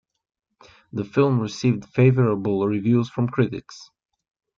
The film received favorable reviews from critics.